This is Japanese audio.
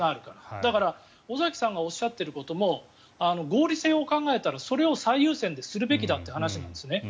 だから、尾崎さんがおっしゃっていることも合理性を考えたらそれを最優先でするべきだという話なんですね。